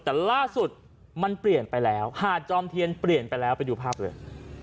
แต่ล่าสุดมันเปลี่ยนไปแล้วหาดจอมเทียนเปลี่ยนไปแล้วไปดูภาพเลย